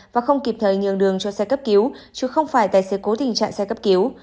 và không kịp thời nhường đường cho xe cấp cứu chứ không phải tài xế cố tình trạng xe cấp cứu